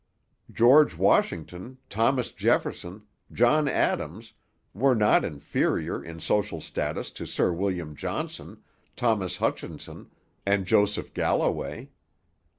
George Washington, Thomas Jefferson, John Adams, were not inferior in social status to Sir William Johnson, Thomas Hutchinson, and Joseph Galloway.